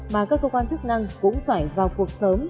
mà các cơ quan chức năng cũng phải vào cuộc sớm